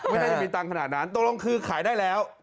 ไม่น่าจะมีตังค์ขนาดนั้นตกลงคือขายได้แล้ว